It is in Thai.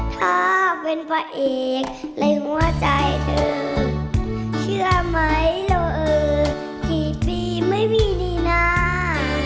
ถ้าเป็นพระเอกในหัวใจเธอเชื่อไหมเราเออกี่ปีไม่มีนี่นา